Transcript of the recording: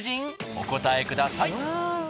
お答えください。